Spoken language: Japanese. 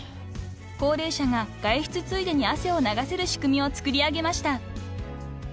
高齢者が外出ついでに汗を流せる仕組みを作り上げました］